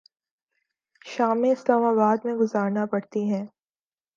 شامیں Islamabad میں گزارنا پڑتی ہیں۔